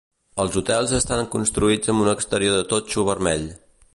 Els hotels estan construïts amb un exterior de totxo vermell.